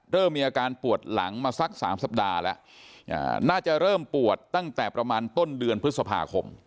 เริ่มมีอาการปวดหลังมาสัก๓สัปดาห์แล้วน่าจะเริ่มปวดตั้งแต่ประมาณต้นเดือนพฤษภาคม